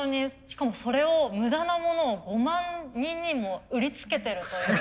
しかもそれを無駄なモノを５万人にも売りつけてるという。